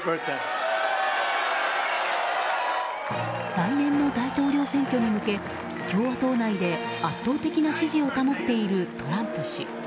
来年の大統領選挙に向け共和党内で圧倒的な支持を保っているトランプ氏。